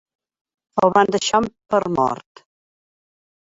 El van deixar per mort.